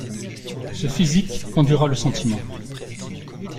Ce physique conduira le sentiment.